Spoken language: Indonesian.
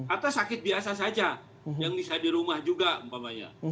atau sakit biasa saja yang bisa di rumah juga umpamanya